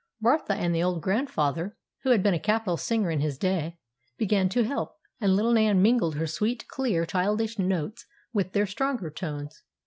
Martha and the old grandfather, who had been a capital singer in his day, began to help; and little Nan mingled her sweet, clear, childish notes with their stronger tones.